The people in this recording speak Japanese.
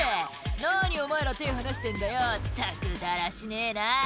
「何お前ら手ぇ離してんだよったくだらしねえな」